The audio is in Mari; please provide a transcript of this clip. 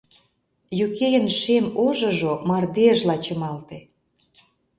Юкейын шем ожыжо мардежла чымалте.